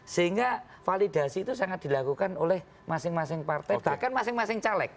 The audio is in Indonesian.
sehingga validasi itu sangat dilakukan oleh masing masing partai bahkan masing masing caleg